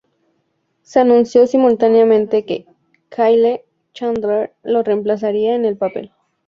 Se anunció simultáneamente que Kyle Chandler lo reemplazaría en el papel.